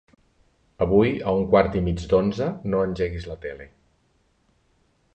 Avui a un quart i mig d'onze no engeguis la tele.